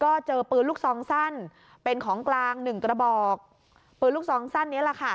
ก็เจอปืนลูกซองสั้นเป็นของกลางหนึ่งกระบอกปืนลูกซองสั้นนี้แหละค่ะ